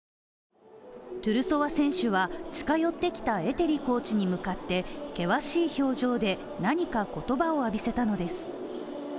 トゥルソワ選手は、近寄ってきたエテリコーチに向かって険しい表情で何か言葉を浴びせたのです。